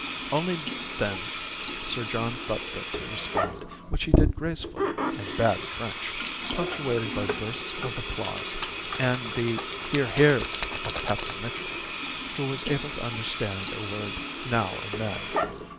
Only then Sir John thought fit to respond, which he did gracefully in bad French, punctuated by bursts of applause and the "Hear! Hears!" of Captain Mitchell, who was able to understand a word now and then.